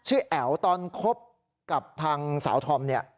แอ๋วตอนคบกับทางสาวธอมเนี่ย